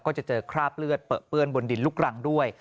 ก็จะเจอคราบเลือดเปลือเปื้อนบนดินลูกรังด้วย